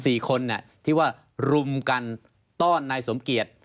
สี่คนเนี่ยที่ว่ารุมกันต้อนนายสมเกียจ